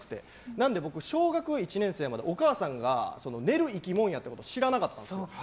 なので僕、小学１年生までお母さんが寝る生き物やって知らなかったんですよ。